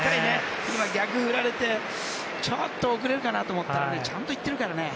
今、逆に振られてちょっと遅れるかなと思ったらちゃんと行ってるからね。